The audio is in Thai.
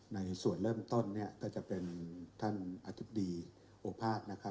ในส่วนเริ่มต้นก็จะเป็นท่านอธิบดีโอภาค